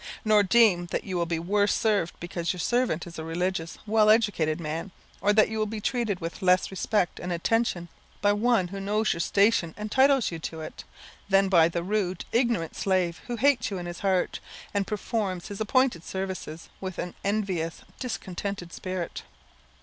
Nor deem that you will be worse served because your servant is a religious, well educated man, or that you will be treated with less respect and attention by one who knows that your station entitles you to it, than by the rude, ignorant slave, who hates you in his heart, and performs his appointed services with an envious, discontented spirit.